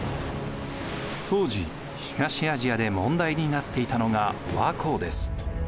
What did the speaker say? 当時東アジアで問題になっていたのが倭寇です。